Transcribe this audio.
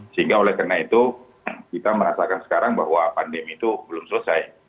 sehingga oleh karena itu kita merasakan sekarang bahwa pandemi itu belum selesai